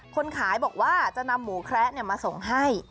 คนขายบอกว่าจะนำหมูแคระมาส่งให้